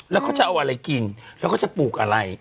แล้วก็จะเอาอะไรกินกลับอะไรกิน